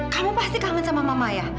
kamu pasti kangen sama mama ya